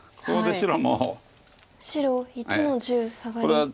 白１の十サガリ。